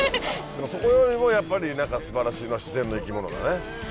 でもそこよりもやっぱり素晴らしいのは自然の生き物だね。